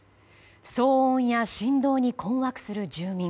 騒音や振動に困惑する住民。